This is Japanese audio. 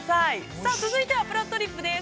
さあ、続いては、「ぷらっとりっぷ」です。